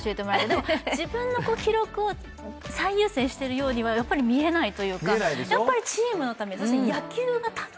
でも自分の記録を最優先しているようには見えないというかやっぱりチームのため、野球をただ